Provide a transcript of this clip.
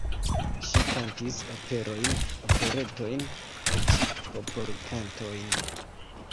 Ŝi kantis operojn, operetojn, eĉ popolkantojn.